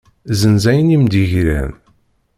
Zzenz ayen i m-d-yegran.